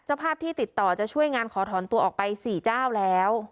ภาพที่ติดต่อจะช่วยงานขอถอนตัวออกไป๔เจ้าแล้ว